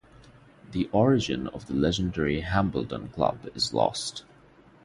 The origin of the legendary Hambledon Club is lost.